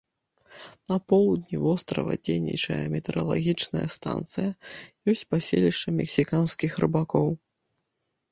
На поўдні вострава дзейнічае метэаралагічная станцыя, ёсць паселішча мексіканскіх рыбакоў.